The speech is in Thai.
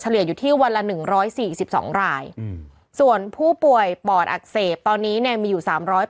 อยู่ที่วันละ๑๔๒รายส่วนผู้ป่วยปอดอักเสบตอนนี้เนี่ยมีอยู่๓๘